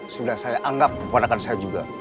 sudah saya anggap keponakan saya juga